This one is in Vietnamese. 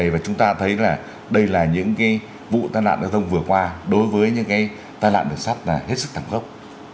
và chúng ta thấy là đây là những vụ tai nạn giao thông vừa qua đối với những tai nạn đường sắt là hết sức thẳng khốc